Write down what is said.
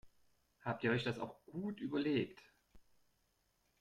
Habt ihr euch das auch gut überlegt?